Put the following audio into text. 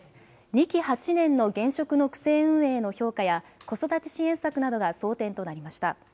２期８年の現職の区政運営の評価や子育て支援策などが争点となりました。